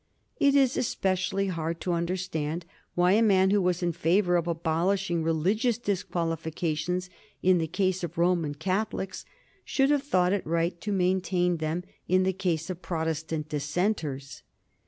It is especially hard to understand why a man who was in favor of abolishing religious disqualifications in the case of Roman Catholics should have thought it right to maintain them in the case of Protestant Dissenters.